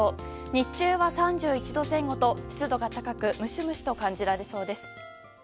日中は３１度前後と湿度が高くムシムシと感じられそうです。